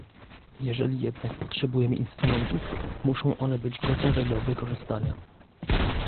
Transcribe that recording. Jeżeli jednak potrzebujemy instrumentów, muszą one być gotowe do wykorzystania